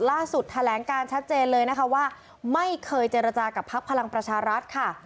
ล่าสุดแถลงการชัดเจนเลยนะคะว่าไม่เคยเจรจากับพักพลังประชารัฐค่ะ